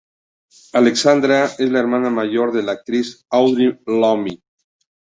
Alexandra es la hermana mayor de la actriz Audrey Lamy.